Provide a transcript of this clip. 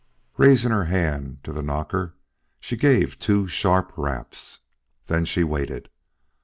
Raising her hand to the knocker, she gave two sharp raps. Then she waited.